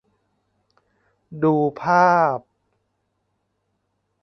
ดูภาพ